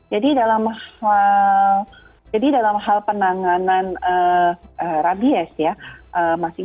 jadi dalam hal penanganan rabies ya